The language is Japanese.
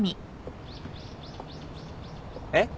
えっ？